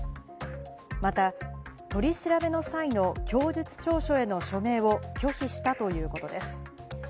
また、取り調べの際の供述調書への署名を拒否したということです。